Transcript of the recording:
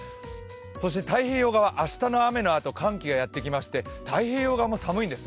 そして太平洋側、明日の雨のあと寒気がやってきまして太平洋側も寒いんです。